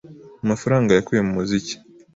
mu mafaranga yakuye mu muziki